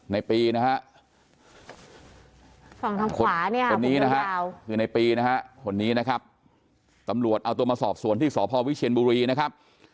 ในปีนะคะตำรวจเอาตัวมาสอบสวนที่สพวิเชียนบุรีนะครับ